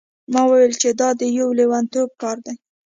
ما وویل چې دا د یو لیونتوب کار دی.